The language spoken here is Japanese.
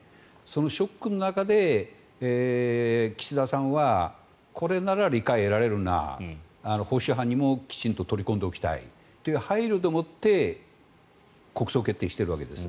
そのショックの中で、岸田さんはこれなら理解を得られるな保守派にもきちんと取り込んでいきたいという配慮で国葬を決定しているわけです。